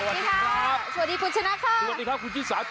สวัสดีครับสวัสดีคุณชนะคะสวัสดีคะคุณจีนสาทประเทศ